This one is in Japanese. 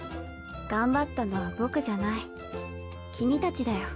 頑張ったのは僕じゃない君たちだよ。